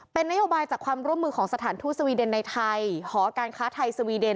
เป็นนโยบายจากความร่วมมือของสถานทูตสวีเดนในไทยหอการค้าไทยสวีเดน